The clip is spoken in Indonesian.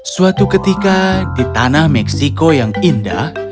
suatu ketika di tanah meksiko yang indah